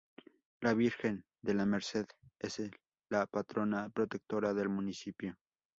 La Virgen de la Merced, es la patrona protectora del municipio.